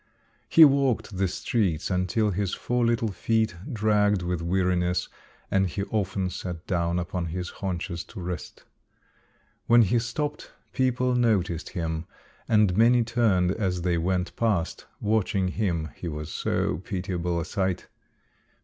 He walked the streets until his four little feet dragged with weariness and he often sat down upon his haunches to rest. When he stopped people noticed him and many turned as they went past, watching him he was so pitiable a sight.